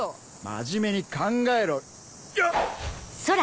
真面目に考えろよっ！